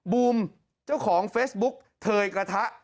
บูมเจ้าของโฟนแบบเฟสบุ๊คเทยกระทะ